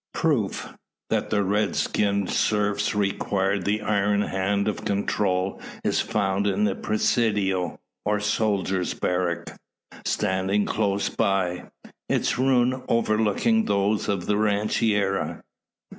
Proof, that the red skinned serfs required the iron hand of control is found in the presidio, or soldier's barrack standing close by its ruin overlooking those of the rancheria.